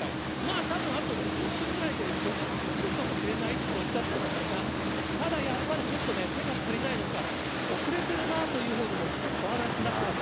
たぶん、あと２０分ぐらいで除雪機、来るかもしれないっておっしゃってましたが、ただやっぱり、ちょっとね、手が足りないのか、遅れるなというふうにもお話になってました。